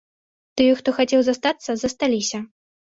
Тыя, хто хацеў застацца, засталіся.